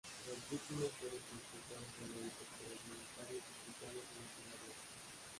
Las víctimas fueron transportadas en helicópteros militares a hospitales en la ciudad de Osh.